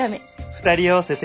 ２人合わせて。